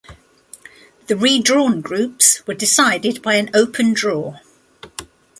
The redrawn groups were decided by an open draw.